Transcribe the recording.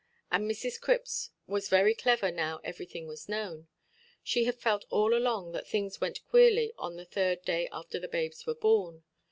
And Mrs. Cripps was very clever now everything was known. She had felt all along that things went queerly on the third day after the babes were born.